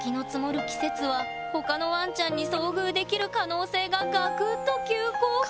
季節は他のわんちゃんに遭遇できる可能性がガクッと急降下！